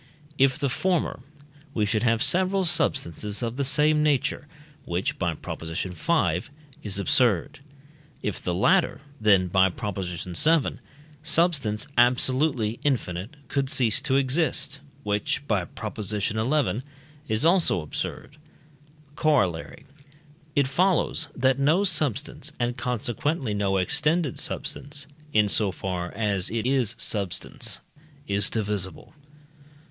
If the former, we should have several substances of the same nature, which (by Prop. v.) is absurd. If the latter, then (by Prop. vii.) substance absolutely infinite could cease to exist, which (by Prop. xi.) is also absurd. Corollary. It follows, that no substance, and consequently no extended substance, in so far as it is substance, is divisible.